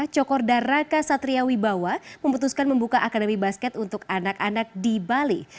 cokorda raka satria wibawa memutuskan membuka akademi basket untuk anak anak di bali